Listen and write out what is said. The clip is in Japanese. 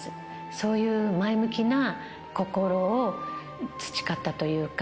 そういう前向きな心を培ったというか、